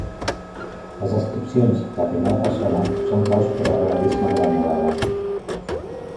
Les descripcions i la primera persona són claus per al realisme de la novel·la.